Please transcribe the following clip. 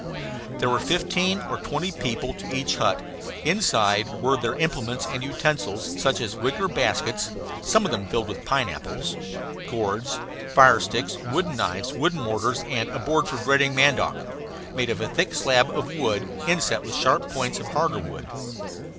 There were fifteen or twenty people to each hut. Inside were their implements and utensils, such as wicker baskets (some of them filled with pineapples), gourds, fire sticks, wooden knives, wooden mortars, and a board for grating mandioc, made of a thick slab of wood inset with sharp points of a harder wood.